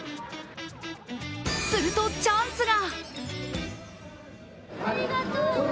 すると、チャンスが！